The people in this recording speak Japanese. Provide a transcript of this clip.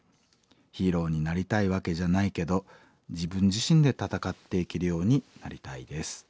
ヒーローになりたいわけじゃないけど自分自身で戦っていけるようになりたいです」。